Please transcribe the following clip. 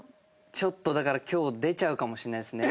ちょっとだから今日出ちゃうかもしれないですね。